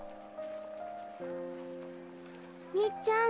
みっちゃん。